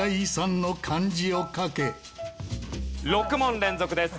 ６問連続です。